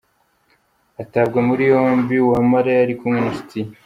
Atabwa muri yombi, Wamala yari kumwe n’inshuti ye.